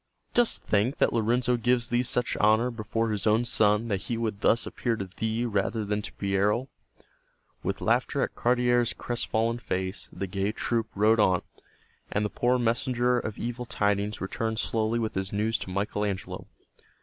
Dost think that Lorenzo gives thee such honor before his own son that he would thus appear to thee rather than to Piero?" With laughter at Cardiere's crestfallen face the gay troop rode on, and the poor messenger of evil tidings returned slowly with his news to Michael Angelo.